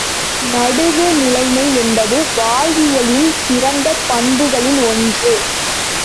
நடுவு நிலைமை என்பது வாழ்வியலின் சிறந்த பண்புகளில் ஒன்று.